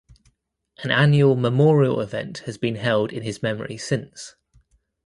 An annual memorial event has been held in his memory since.